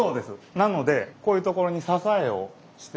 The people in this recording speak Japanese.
なのでこういうところに支えをして。